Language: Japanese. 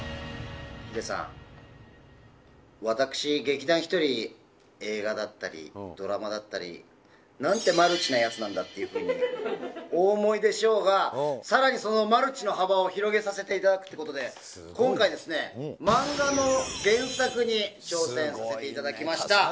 ヒデさん、私、劇団ひとり、映画だったり、ドラマだったり、なんてマルチなやつなんだっていうふうにお思いでしょうが、さらにそのマルチの幅を広げさせていただくということで、今回ですね、漫画の原作に挑戦させていただきました。